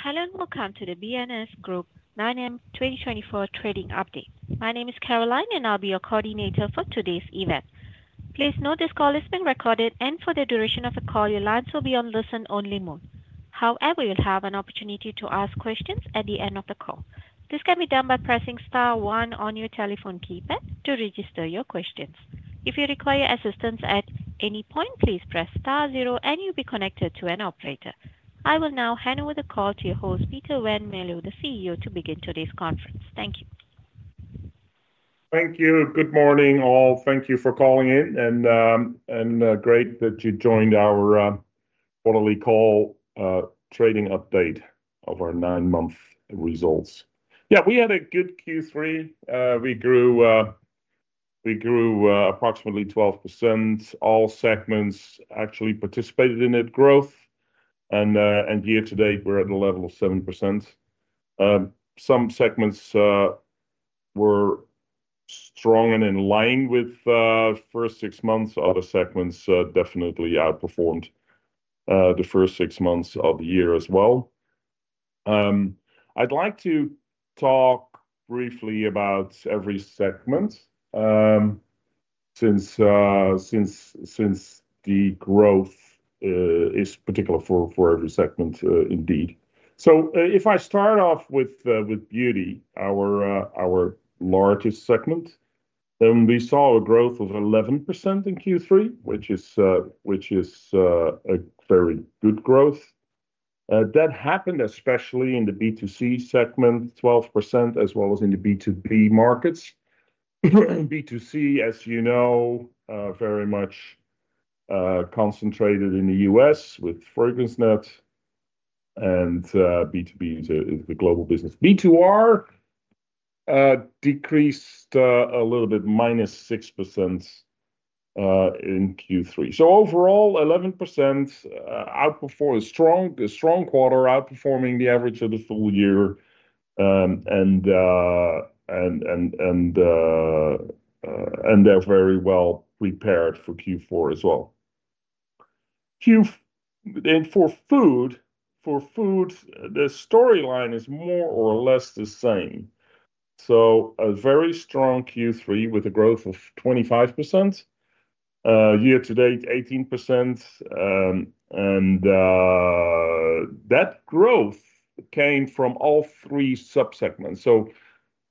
Hello and welcome to the B&S Group 9M2024 trading update. My name is Caroline, and I'll be your coordinator for today's event. Please note this call is being recorded, and for the duration of the call, your lines will be on listen-only mode. However, you'll have an opportunity to ask questions at the end of the call. This can be done by pressing star one on your telephone keypad to register your questions. If you require assistance at any point, please press star zero, and you'll be connected to an operator. I will now hand over the call to your host, Peter van Mierlo, the CEO, to begin today's conference. Thank you. Thank you. Good morning, all. Thank you for calling in, and great that you joined our quarterly call trading update of our nine-month results. Yeah, we had a good Q3. We grew approximately 12%. All segments actually participated in that growth, and year to date, we're at the level of 7%. Some segments were strong and in line with first six months. Other segments definitely outperformed the first six months of the year as well. I'd like to talk briefly about every segment, since the growth is particular for every segment, indeed. So, if I start off with Beauty, our largest segment, then we saw a growth of 11% in Q3, which is a very good growth. That happened especially in the B2C segment, 12%, as well as in the B2B markets. B2C, as you know, very much concentrated in the US with FragranceNet, and B2B is the global business. B2R decreased a little bit -6% in Q3. So overall 11%, outperformed a strong quarter, outperforming the average of the full year. They're very well prepared for Q4 as well. Q4 for food, the storyline is more or less the same. So a very strong Q3 with a growth of 25%, year to date 18%. That growth came from all three subsegments. So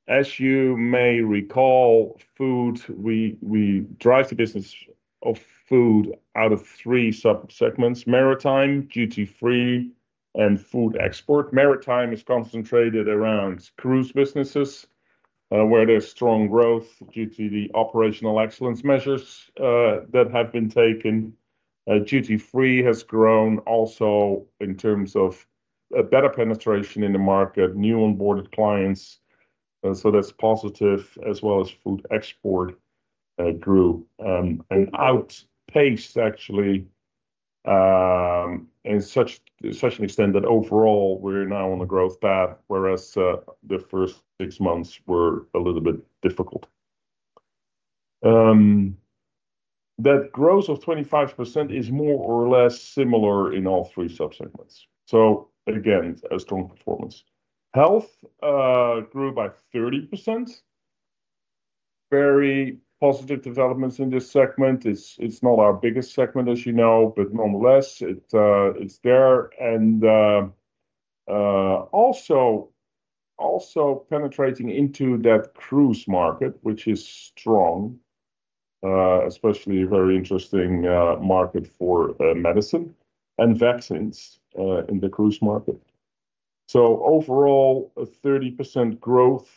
as you may recall, food we drive the business of food out of three subsegments: maritime, duty-free, and food export. Maritime is concentrated around cruise businesses, where there's strong growth due to the operational excellence measures that have been taken. Duty-free has grown also in terms of better penetration in the market, new onboarded clients. So that's positive, as well as Food Export grew and outpaced actually in such an extent that overall we're now on the growth path, whereas the first six months were a little bit difficult. That growth of 25% is more or less similar in all three subsegments. Again, a strong performance. Health grew by 30%. Very positive developments in this segment. It's not our biggest segment, as you know, but nonetheless, it's there and also penetrating into that cruise market, which is strong, especially a very interesting market for medicine and vaccines in the cruise market. Overall, a 30% growth,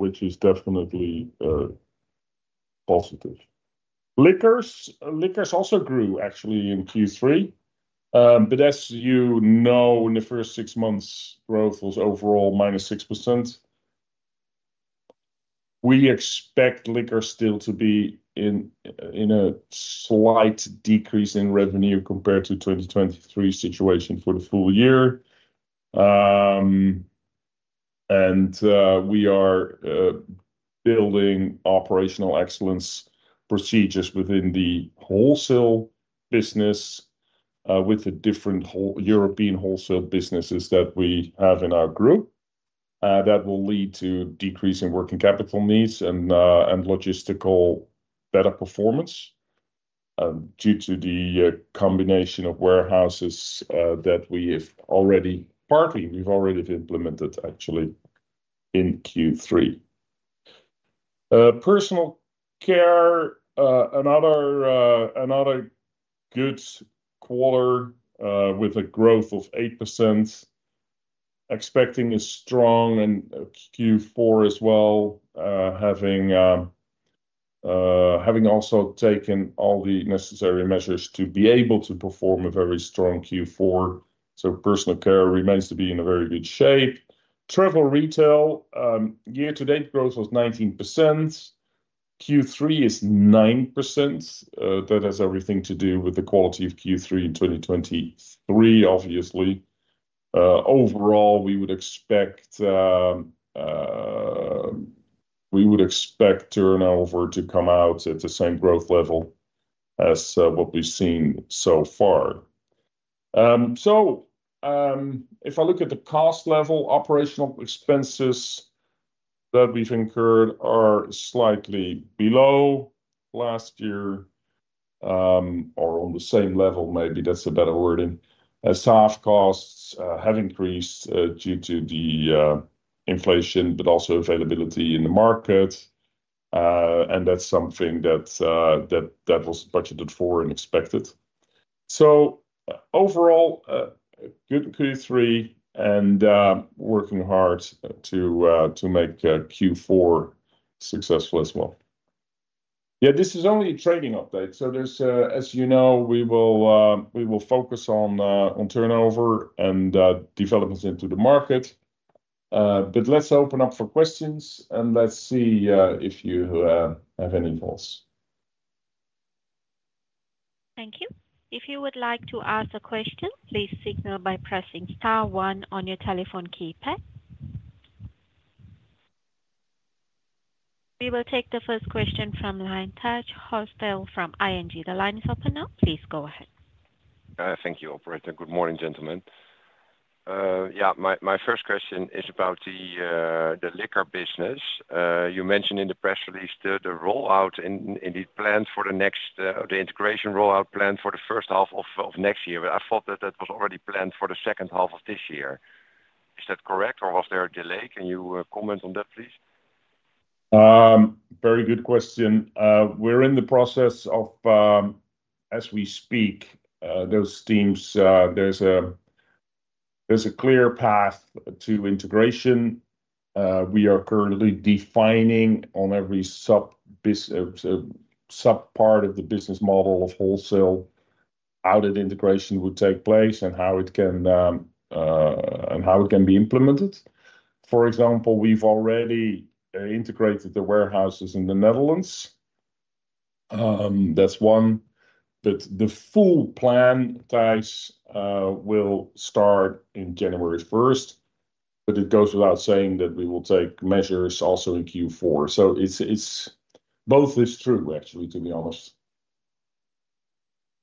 which is definitely positive. Liquors also grew actually in Q3, but as you know, in the first six months, growth was overall -6%. We expect liquor still to be in a slight decrease in revenue compared to the 2023 situation for the full year. We are building operational excellence procedures within the wholesale business, with the different whole European wholesale businesses that we have in our group, that will lead to decreasing working capital needs and logistical better performance, due to the combination of warehouses that we have already partly implemented, actually, in Q3. Personal Care, another good quarter, with a growth of 8%. Expecting a strong Q4 as well, having also taken all the necessary measures to be able to perform a very strong Q4. So Personal Care remains to be in a very good shape. Travel Retail, year to date, growth was 19%. Q3 is 9%. That has everything to do with the quality of Q3 in 2023, obviously. Overall, we would expect turnover to come out at the same growth level as what we've seen so far. So, if I look at the cost level, operational expenses that we've incurred are slightly below last year, or on the same level, maybe that's a better wording. Staff costs have increased due to inflation, but also availability in the market, and that's something that was budgeted for and expected. So overall, good Q3 and working hard to make Q4 successful as well. Yeah, this is only a trading update. So, as you know, we will focus on turnover and developments into the market, but let's open up for questions, and let's see if you have any thoughts. Thank you. If you would like to ask a question, please signal by pressing star one on your telephone keypad. We will take the first question from Tijs Hollestelle from ING. The line is open now. Please go ahead. Thank you, Operator. Good morning, gentlemen. Yeah, my first question is about the liquor business. You mentioned in the press release the rollout in the plan for the next, the integration rollout plan for the first half of next year, but I thought that was already planned for the second half of this year. Is that correct, or was there a delay? Can you comment on that, please? Very good question. We're in the process of, as we speak, those teams. There's a clear path to integration. We are currently defining on every sub-business, sub-part of the business model of wholesale how that integration would take place and how it can be implemented. For example, we've already integrated the warehouses in the Netherlands. That's one. But the full plan, guys, will start in January 1st, but it goes without saying that we will take measures also in Q4. So it's both is true, actually, to be honest.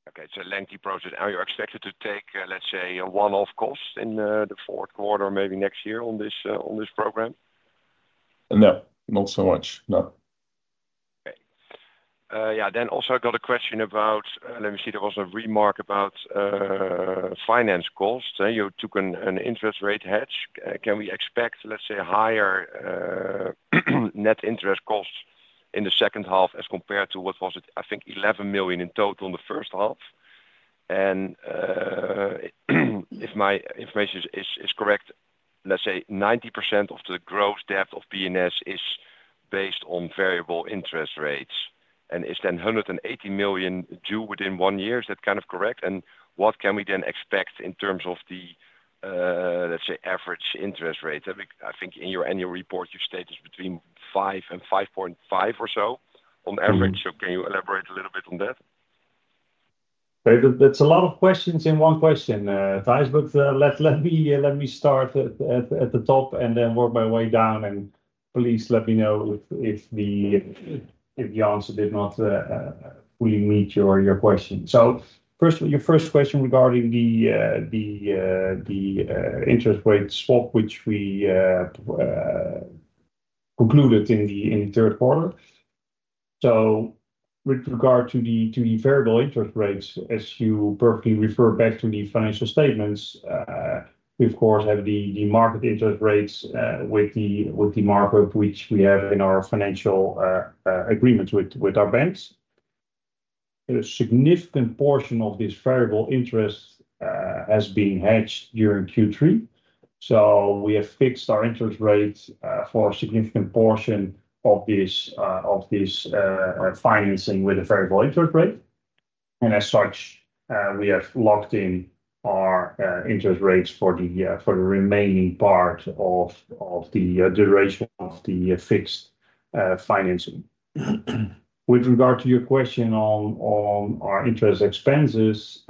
Okay. It's a lengthy process. Are you expected to take, let's say, a one-off cost in the fourth quarter, maybe next year on this, on this program? No, not so much. No. Okay. Yeah. Then also I got a question about, let me see. There was a remark about finance costs. You took an interest rate hedge. Can we expect, let's say, a higher net interest cost in the second half as compared to what was it? I think 11 million in total in the first half. And if my information is correct, let's say 90% of the gross debt of B&S is based on variable interest rates and is then 180 million due within one year. Is that kind of correct? And what can we then expect in terms of the, let's say, average interest rate? I think in your annual report, you stated between 5% and 5.5% or so on average. So can you elaborate a little bit on that? Okay. That's a lot of questions in one question, guys, but let me start at the top and then work my way down, and please let me know if the answer did not fully meet your question. So first, your first question regarding the interest rate swap, which we concluded in the third quarter. So with regard to the variable interest rates, as you perfectly refer back to the financial statements, we, of course, have the market interest rates with the markup which we have in our financial agreements with our banks. A significant portion of this variable interest has been hedged during Q3. So we have fixed our interest rate for a significant portion of this financing with a variable interest rate. And as such, we have locked in our interest rates for the remaining part of the duration of the fixed financing. With regard to your question on our interest expenses,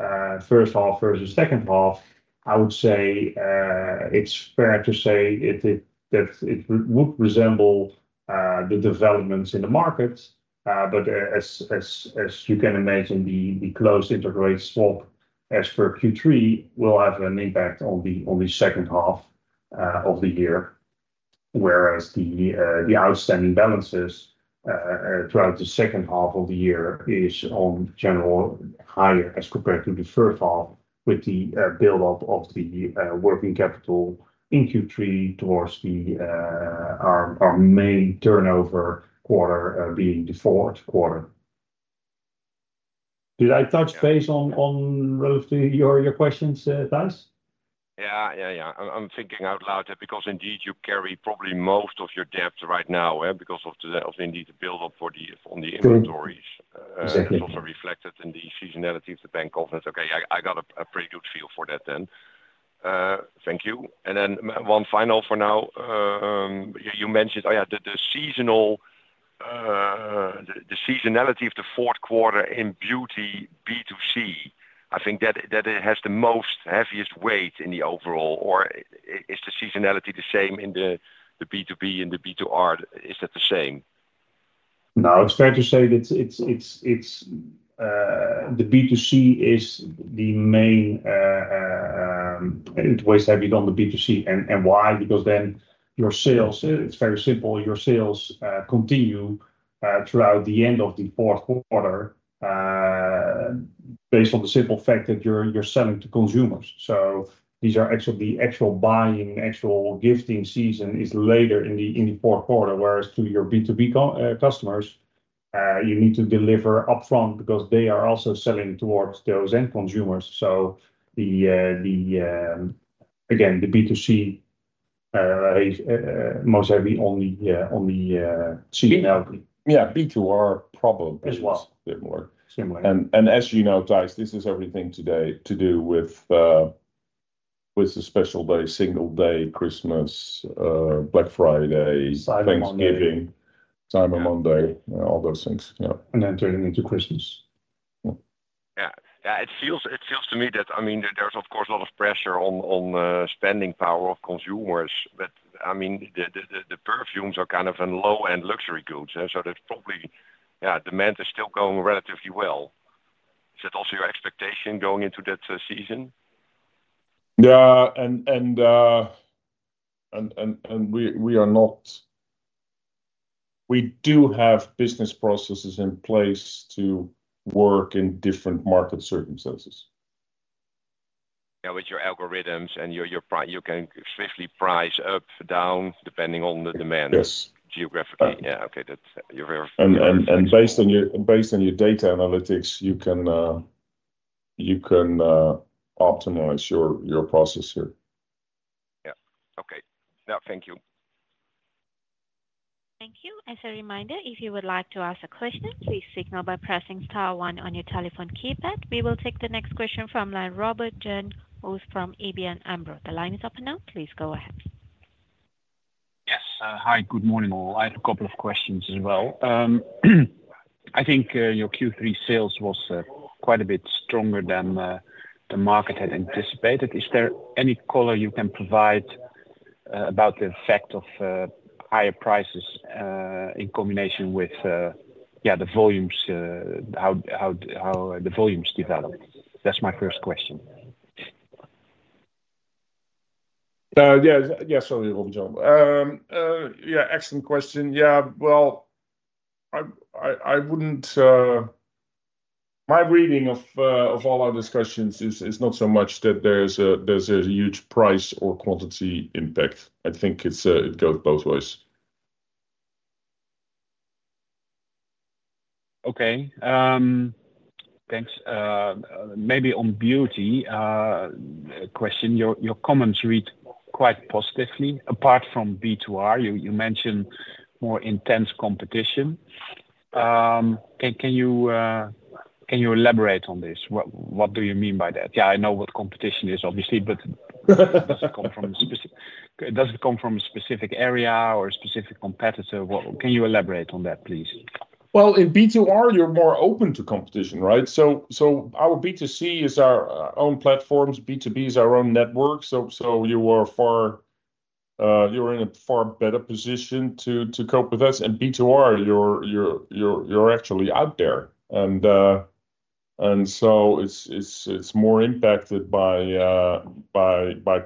first half versus second half, I would say, it's fair to say that it would resemble the developments in the markets. But as you can imagine, the closed Interest Rate Swap as per Q3 will have an impact on the second half of the year, whereas the outstanding balances throughout the second half of the year is on general higher as compared to the first half with the buildup of the working capital in Q3 towards our main turnover quarter, being the fourth quarter. Did I touch base on relative to your questions, Tijs? Yeah, yeah, yeah. I'm thinking out loud because indeed you carry probably most of your debt right now, because of indeed the buildup for the on the inventories. It's also reflected in the seasonality of the bank covenants. Okay. I got a pretty good feel for that then. Thank you. And then one final for now, you mentioned, oh yeah, the seasonality of the fourth quarter in Beauty B2C. I think that it has the most heaviest weight in the overall, or is the seasonality the same in the B2B and the B2R? Is that the same? No, it's fair to say that it's the B2C is the main. In which ways have you done the B2C and why? Because then your sales, it's very simple. Your sales continue throughout the end of the fourth quarter, based on the simple fact that you're selling to consumers. So these are actually the actual buying, actual gifting season is later in the fourth quarter, whereas to your B2B customers, you need to deliver upfront because they are also selling towards those end consumers. So the, again, the B2C, most heavy on the seasonality. Yeah, B2R probably is a bit more similar. As you know, guys, this is everything today to do with the special day, Singles' Day, Christmas, Black Friday, Thanksgiving, Cyber Monday, all those things. Yeah. Then turning into Christmas. Yeah. It feels to me that, I mean, there's of course a lot of pressure on spending power of consumers, but I mean, the perfumes are kind of in low-end luxury goods, so that's probably, yeah, demand is still going relatively well. Is that also your expectation going into that season? Yeah, and we do have business processes in place to work in different market circumstances. Yeah. With your algorithms and your price, you can swiftly price up, down depending on the demand. Yes. Geographically. Yeah. Okay. That's your. Based on your data analytics, you can optimize your process here. Yeah. Okay. No, thank you. Thank you. As a reminder, if you would like to ask a question, please signal by pressing star one on your telephone keypad. We will take the next question from Robert Jan Vos, who's from ABN AMRO. The line is open now. Please go ahead. Yes. Hi, good morning. I have a couple of questions as well. I think, your Q3 sales was, quite a bit stronger than, the market had anticipated. Is there any color you can provide, about the effect of, higher prices, in combination with, yeah, the volumes, how, how, how the volumes developed? That's my first question. Yes. Yes, sorry, Robert Jan Vos. Yeah, excellent question. Yeah. Well, I wouldn't. My reading of all our discussions is not so much that there's a huge price or quantity impact. I think it goes both ways. Okay. Thanks. Maybe on Beauty, question, your comments read quite positively apart from B2R. You mentioned more intense competition. Can you elaborate on this? What do you mean by that? Yeah, I know what competition is, obviously, but does it come from a specific area or a specific competitor? Can you elaborate on that, please? In B2R, you're more open to competition, right? So our B2C is our own platforms. B2B is our own network. So you're in a far better position to cope with us. And B2R, you're actually out there. And so it's more impacted by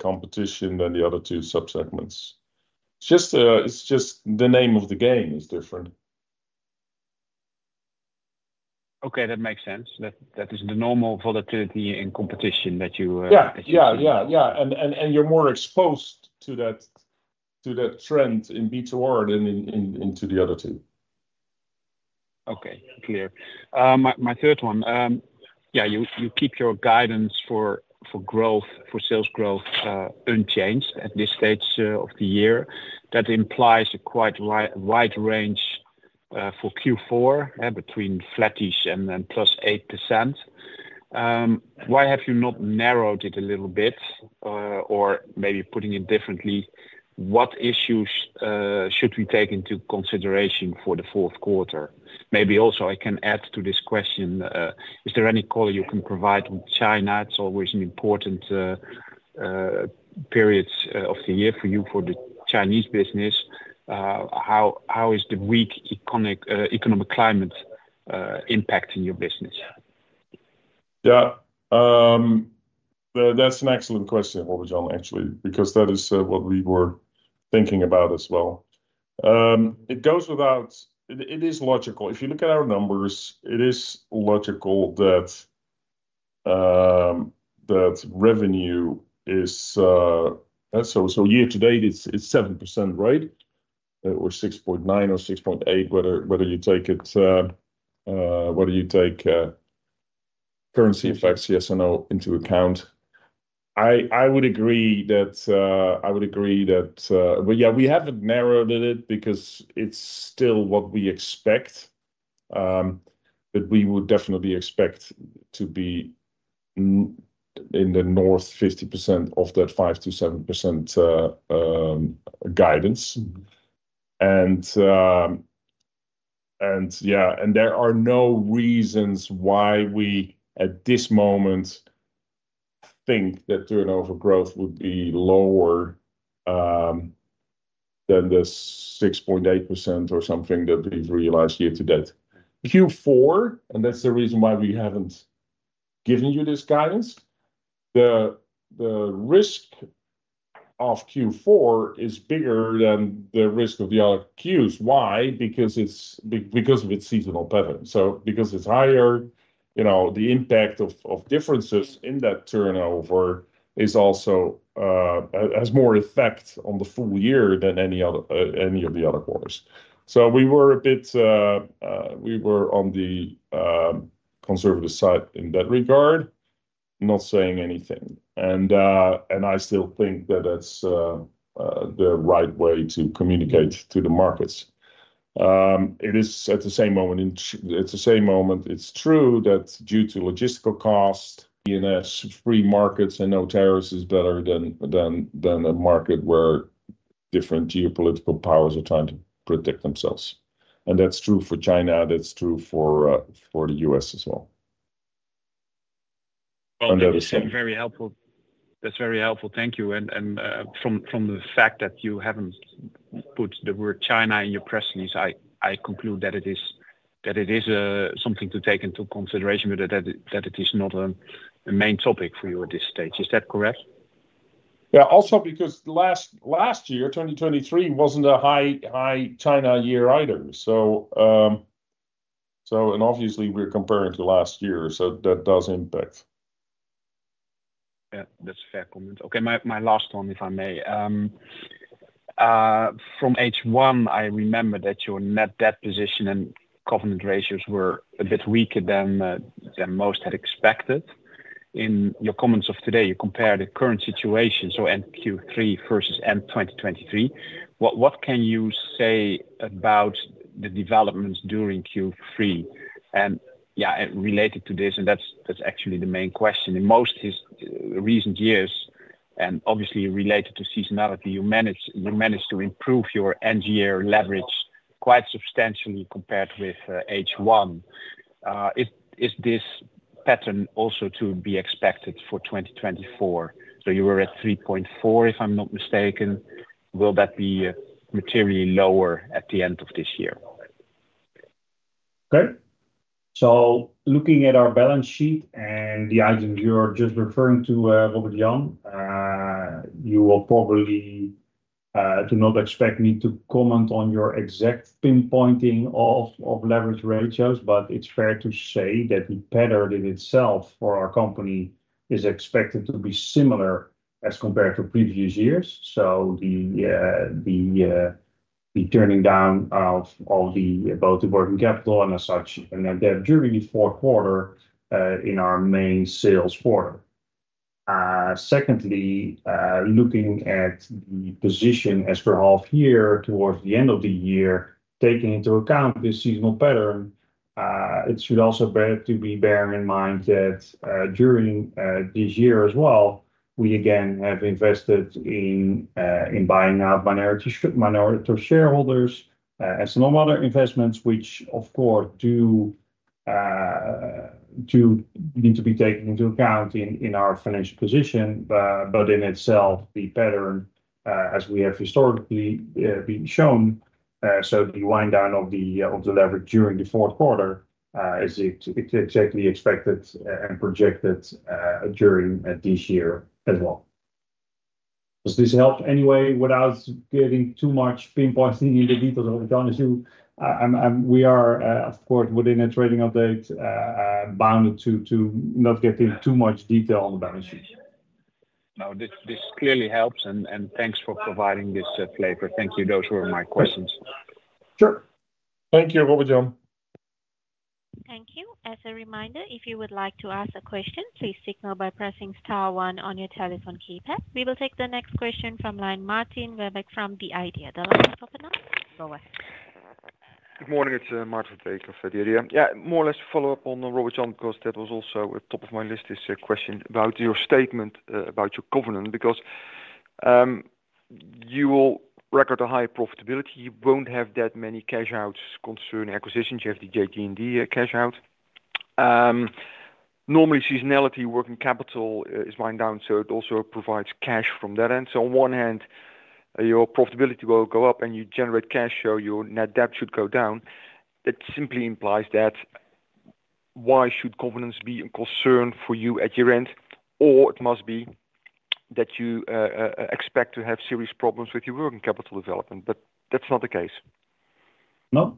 competition than the other two subsegments. It's just the name of the game is different. Okay. That makes sense. That is the normal volatility in competition that you see. Yeah. Yeah. Yeah. And you're more exposed to that trend in B2R than in the other two. Okay. Clear. My third one, yeah. You keep your guidance for growth, for sales growth, unchanged at this stage of the year. That implies a quite wide range for Q4, between flattish and +8%. Why have you not narrowed it a little bit, or maybe putting it differently? What issues should we take into consideration for the fourth quarter? Maybe also I can add to this question, is there any color you can provide with China? It's always an important period of the year for you for the Chinese business. How is the weak economic climate impacting your business? Yeah, that's an excellent question, Robert Jan Vos, actually, because that is what we were thinking about as well. It goes without; it is logical. If you look at our numbers, it is logical that revenue is so year to date; it's 7%, right? Or 6.9% or 6.8%, whether you take currency effects, yes or no, into account. I would agree that, but yeah, we haven't narrowed it because it's still what we expect; we would definitely expect to be in the north 50% of that 5%-7% guidance. And yeah, there are no reasons why we at this moment think that turnover growth would be lower than the 6.8% or something that we've realized year to date. Q4, and that's the reason why we haven't given you this guidance. The risk of Q4 is bigger than the risk of the other Qs. Why? Because it's because of its seasonal pattern. So because it's higher, you know, the impact of differences in that turnover also has more effect on the full year than any other of the other quarters. So we were a bit on the conservative side in that regard, not saying anything. And I still think that's the right way to communicate to the markets. It is at the same moment. It's true that due to logistical cost. B&S free markets and no tariffs is better than a market where different geopolitical powers are trying to protect themselves. And that's true for China. That's true for the U.S. as well. That's very helpful. That's very helpful. Thank you. And from the fact that you haven't put the word China in your press release, I conclude that it is something to take into consideration with that, that it is not a main topic for you at this stage. Is that correct? Yeah. Also because last year, 2023, wasn't a high China year either. So, and obviously we're comparing to last year, so that does impact. Yeah. That's a fair comment. Okay. My last one, if I may, from H1, I remember that your net debt position and covenant ratios were a bit weaker than most had expected. In your comments of today, you compare the current situation, so end Q3 versus end 2023. What can you say about the developments during Q3? And yeah, related to this, that's actually the main question in most recent years, and obviously related to seasonality, you managed to improve your net debt leverage quite substantially compared with H1. Is this pattern also to be expected for 2024? You were at 3.4, if I'm not mistaken. Will that be materially lower at the end of this year? Okay. So looking at our balance sheet and the items you're just referring to, Robert Jan Vos, you will probably do not expect me to comment on your exact pinpointing of leverage ratios, but it's fair to say that the pattern in itself for our company is expected to be similar as compared to previous years. So the turning down of both the working capital and as such, and that during the fourth quarter, in our main sales quarter. Secondly, looking at the position as per half year towards the end of the year, taking into account this seasonal pattern, it should also bear in mind that, during this year as well, we again have invested in buying out minority shareholders, and some other investments, which of course do need to be taken into account in our financial position, but in itself, the pattern, as we have historically been shown, so the wind down of the leverage during the fourth quarter, it's exactly expected and projected, during this year as well. Does this help anyway without getting too much pinpointing in the details? Robert Jan Vos, as you, I'm, we are, of course within a trading update, bound to not get in too much detail on the balance sheet. No, this clearly helps. And thanks for providing this flavor. Thank you. Those were my questions. Sure. Thank you, Robert Jan Vos. Thank you. As a reminder, if you would like to ask a question, please signal by pressing star one on your telephone keypad. We will take the next question from Maarten Verbeek from The Idea! The line is open now. Go ahead. Good morning. It's Maarten Verbeek, of The IDEA! Yeah. More or less follow up on Robert Jan Vos because that was also at top of my list is a question about your statement, about your covenant because, you will record a high profitability. You won't have that many cash outs concerning acquisitions. You have the JG&D cash out. Normally seasonality, working capital is wind down, so it also provides cash from that end. So on one hand, your profitability will go up and you generate cash, so your net debt should go down. That simply implies that why should covenants be a concern for you at your end? Or it must be that you, expect to have serious problems with your working capital development, but that's not the case. No.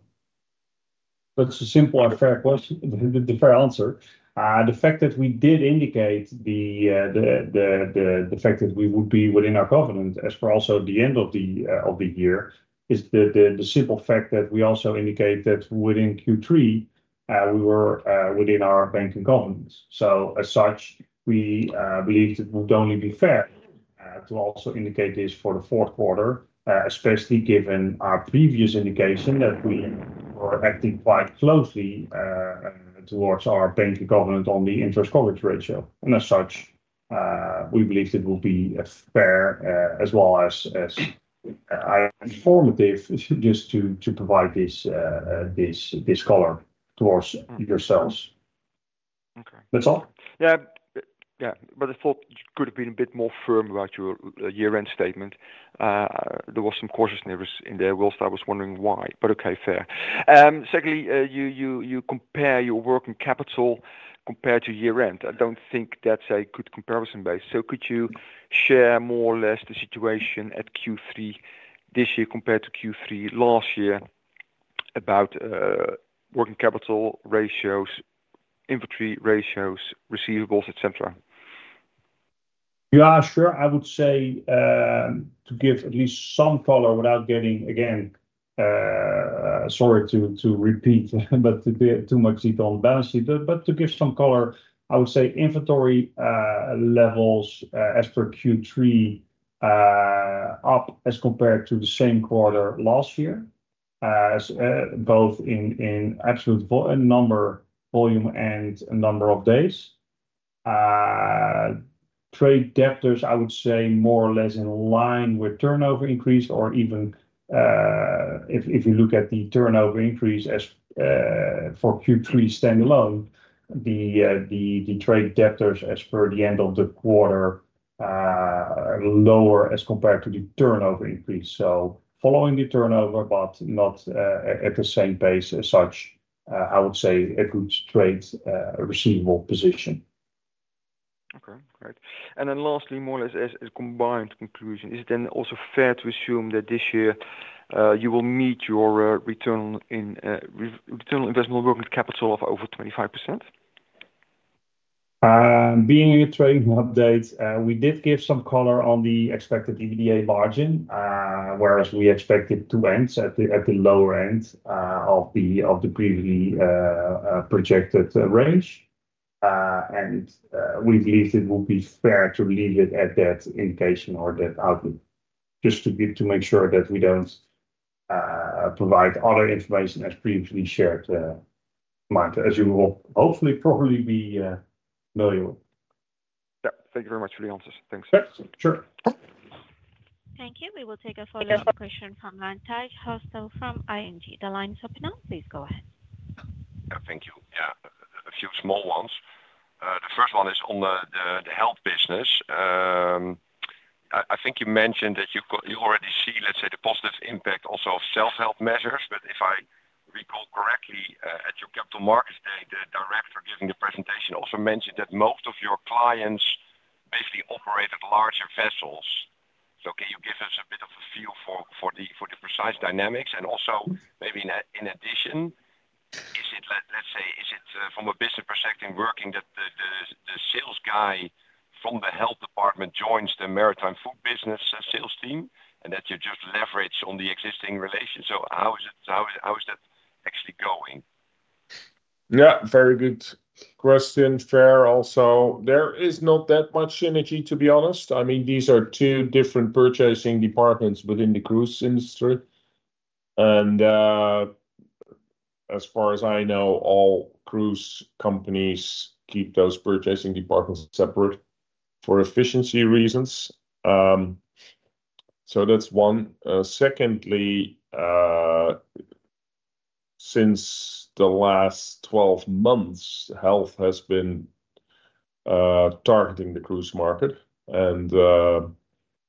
That's a simple and fair question. The fair answer. The fact that we did indicate the fact that we would be within our covenant as for also the end of the year is the simple fact that we also indicate that within Q3, we were within our banking covenants. So as such, we believe that it would only be fair to also indicate this for the fourth quarter, especially given our previous indication that we were acting quite closely towards our banking covenant on the interest coverage ratio. As such, we believe that it will be a fair as well as informative just to provide this color towards yourselves. Okay. That's all? Yeah. Yeah. But I thought you could have been a bit more firm about your year-end statement. There were some cautious nerves in there. While I was wondering why, but okay, fair. Secondly, you compare your working capital compared to year-end. I don't think that's a good comparison base. So could you share more or less the situation at Q3 this year compared to Q3 last year about working capital ratios, inventory ratios, receivables, etc.? Yeah. Sure. I would say, to give at least some color without getting, again, sorry to repeat, but to be too much detail on the balance sheet, but to give some color, I would say inventory levels, as per Q3, up as compared to the same quarter last year, both in absolute vol, number, volume, and number of days. Trade debtors, I would say more or less in line with turnover increase or even, if you look at the turnover increase as for Q3 standalone, the trade debtors as per the end of the quarter, lower as compared to the turnover increase. So following the turnover, but not at the same pace as such, I would say a good trade receivable position. Okay. Great. And then lastly, more or less as a combined conclusion, is it then also fair to assume that this year, you will meet your return on investment working capital of over 25%? Being in your trading update, we did give some color on the expected EBITDA margin, whereas we expect to end at the lower end of the previously projected range. We believe it will be fair to leave it at that indication or that outlook just to make sure that we don't provide other information as previously shared, Mark, as you will hopefully probably be familiar with. Yeah. Thank you very much for the answers. Thanks. Yeah. Sure. Thank you. We will take a follow-up question from Tijs Hollestelle from ING. The line is open now. Please go ahead. Yeah. Thank you. Yeah. A few small ones. The first one is on the health business. I think you mentioned that you've got, you already see, let's say, the positive impact also of self-help measures. But if I recall correctly, at your capital markets day, the director giving the presentation also mentioned that most of your clients basically operated larger vessels. So can you give us a bit of a feel for the precise dynamics? And also maybe, in addition, is it, let's say, from a business perspective working that the sales guy from the health department joins the maritime food business sales team and that you just leverage on the existing relation? So how is that actually going? Yeah. Very good question. Fair also. There is not that much synergy, to be honest. I mean, these are two different purchasing departments within the cruise industry, and as far as I know, all cruise companies keep those purchasing departments separate for efficiency reasons, so that's one. Secondly, since the last 12 months, Health has been targeting the cruise market. And,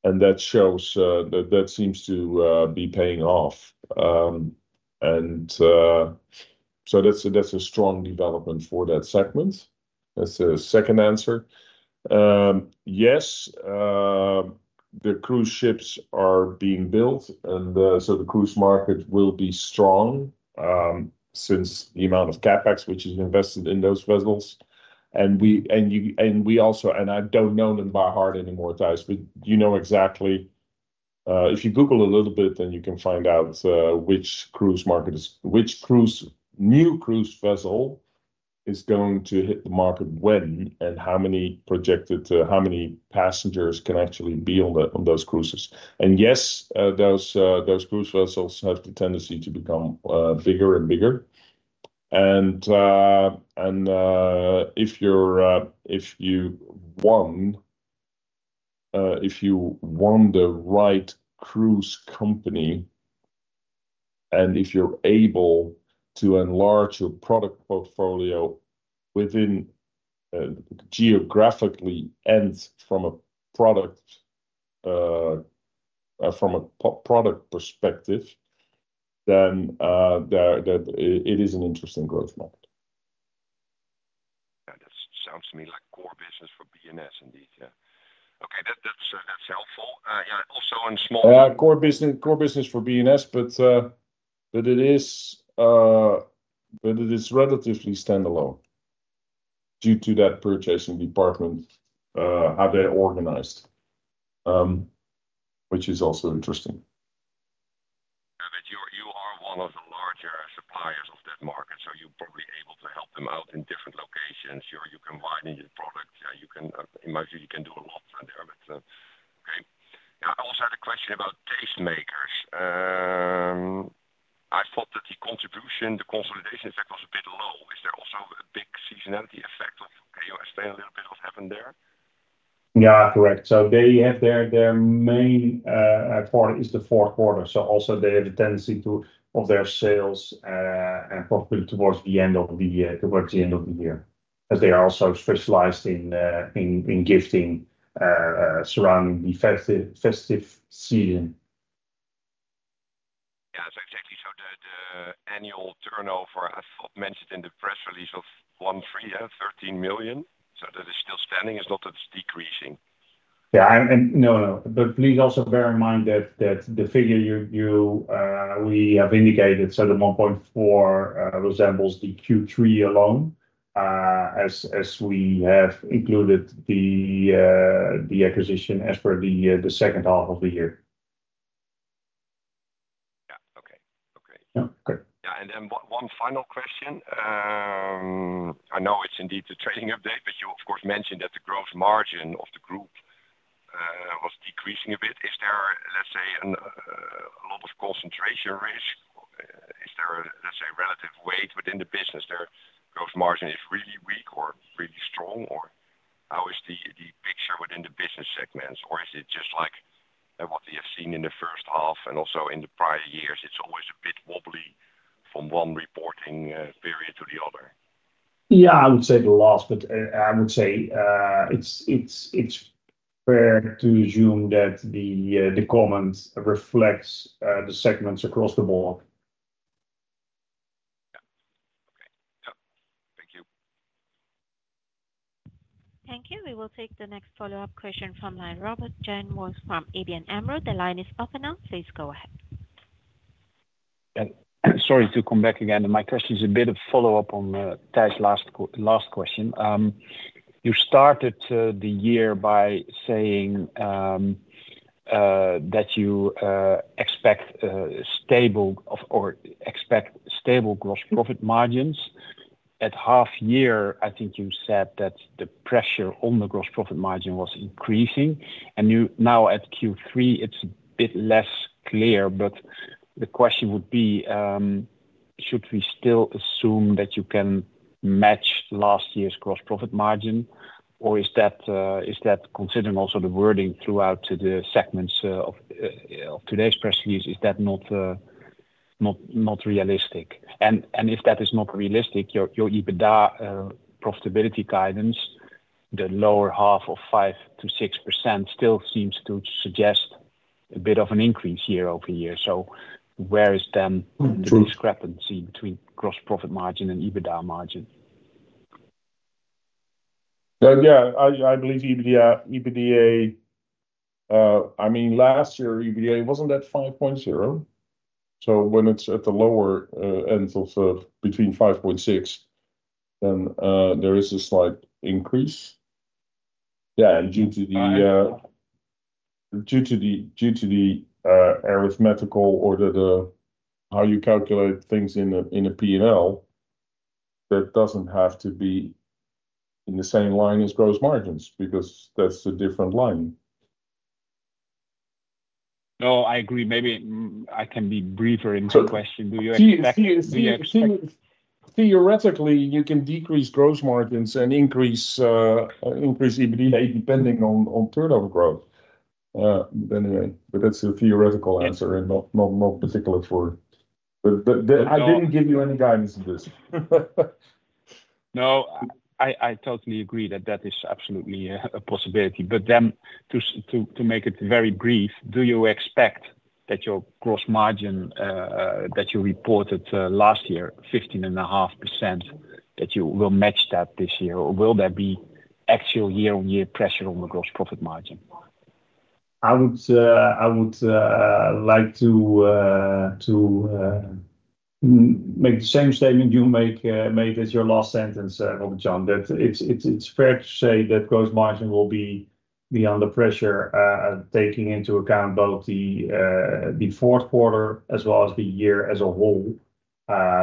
and that shows, that, that seems to be paying off, and so that's a, that's a strong development for that segment. That's the second answer. Yes, the cruise ships are being built, and so the cruise market will be strong, since the amount of CapEx which is invested in those vessels. We also don't know them by heart anymore, Tijs, but you know exactly. If you Google a little bit, then you can find out which the cruise market is, which new cruise vessel is going to hit the market when and how many projected passengers can actually be on those cruises. Yes, those cruise vessels have the tendency to become bigger and bigger. If you own the right cruise company and if you're able to enlarge your product portfolio geographically and from a product perspective, then that it is an interesting growth market. Yeah. That sounds to me like core business for B&S indeed. Yeah. Okay. That's helpful. Yeah. Also in small. Yeah. Core business, core business for B&S, but it is relatively standalone due to that purchasing department, how they're organized, which is also interesting. Yeah. That you are one of the larger suppliers of that market, so you're probably able to help them out in different locations or you can widen your product. Yeah. You can imagine you can do a lot in there, but okay. Yeah. I also had a question about Tastemakers. I thought that the contribution, the consolidation effect was a bit low. Is there also a big seasonality effect? Okay, you explain a little bit what's happened there? Yeah. Correct. So they have their main part is the fourth quarter. So also they have a tendency of their sales and probably towards the end of the year, as they are also specialized in gifting surrounding the festive season. Yeah. So exactly. So the annual turnover, I thought mentioned in the press release of 1.3 billion. So that is still standing. It's not that it's decreasing. Yeah. No, but please also bear in mind that the figure we have indicated, so the 1.4, resembles the Q3 alone, as we have included the acquisition as per the second half of the year. Yeah. Okay. Okay. Yeah. Great. Yeah. And then one final question. I know it's indeed the trading update, but you of course mentioned that the gross margin of the group was decreasing a bit. Is there, let's say, a lot of concentration risk? Is there, let's say, relative weight within the business? Their gross margin is really weak or really strong or how is the picture within the business segments? Or is it just like what you have seen in the first half and also in the prior years? It's always a bit wobbly from one reporting period to the other? Yeah. I would say it's fair to assume that the comments reflects the segments across the board. Yeah. Okay. Yeah. Thank you. Thank you. We will take the next follow-up question from Robert Jan Vos from ABN AMRO. The line is open now. Please go ahead. Sorry to come back again. My question is a bit of a follow-up on Tijs' last question. You started the year by saying that you expect stable or expect stable gross profit margins. At half year, I think you said that the pressure on the gross profit margin was increasing. And now at Q3, it's a bit less clear, but the question would be, should we still assume that you can match last year's gross profit margin or is that considering also the wording throughout the segments of today's press release, is that not realistic? And if that is not realistic, your EBITDA profitability guidance, the lower half of 5%-6% still seems to suggest a bit of an increase year over year. Where is then the discrepancy between gross profit margin and EBITDA margin? Yeah. I believe EBITDA, I mean, last year EBITDA wasn't at 5.0. So when it's at the lower end of between 5.6, then there is a slight increase. Yeah. And due to the arithmetical or the how you calculate things in a P&L, that doesn't have to be in the same line as gross margins because that's a different line. No, I agree. Maybe I can be briefer in the question. Do you see the exact? Theoretically, you can decrease gross margins and increase EBITDA depending on turnover growth, but anyway, that's a theoretical answer and not particular for, but I didn't give you any guidance on this. No, I totally agree that that is absolutely a possibility. But then to make it very brief, do you expect that your gross margin, that you reported last year, 15.5%, that you will match that this year? Or will there be actual year-on-year pressure on the gross profit margin? I would like to make the same statement you made as your last sentence, Robert Jan Vos, that it's fair to say that gross margin will be beyond the pressure, taking into account both the fourth quarter as well as the year as a whole.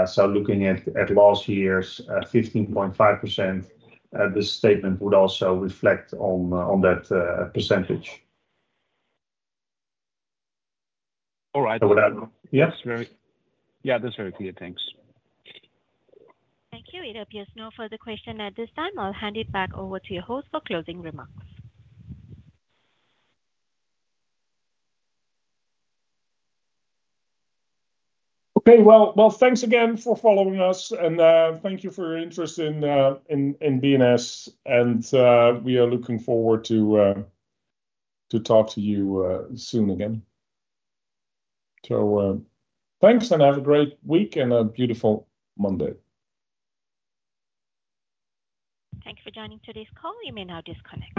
So looking at last year's 15.5%, the statement would also reflect on that percentage. All right. That's very. Yeah. That's very clear. Thanks. Thank you. It appears no further question at this time. I'll hand it back over to your host for closing remarks. Okay. Well, thanks again for following us and thank you for your interest in B&S. We are looking forward to talk to you soon again. Thanks and have a great week and a beautiful Monday. Thanks for joining today's call. You may now disconnect.